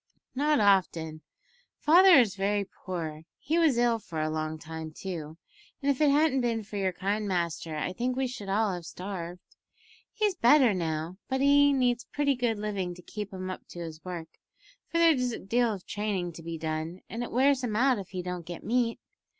"Not often. Father is very poor. He was ill for a long time, too, and if it hadn't been for your kind master I think we should all have starved. He's better now, but he needs pretty good living to keep him up to his work for there's a deal of training to be done, and it wears him out if he don't get meat.